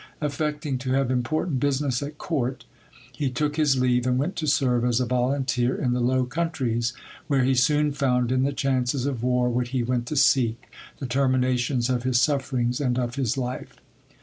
Affecting to have important business at court, he took his leave, and went to serve as a volunteer in the Low Countries ; where he soon found in the chances of war what he went to seek, the terminations of his sufferings and of his life.